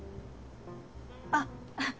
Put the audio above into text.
あっ。